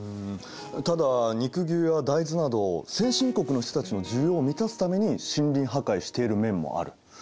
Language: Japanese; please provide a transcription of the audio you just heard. ただ肉牛や大豆など先進国の人たちの需要を満たすために森林破壊している面もある。